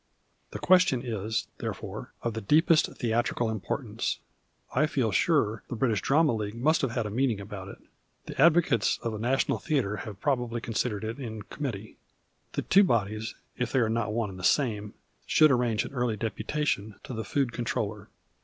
The question is, therefore, of the deepest theatrical importance. I feel sure the British Drama League nmst have had a meeting about it. The advocates of a national theatre have probably considered it in committee. The two bodies (if they are not one and the same) should arrange an early deputation to the Food Controller.